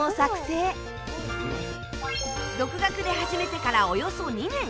独学で始めてからおよそ２年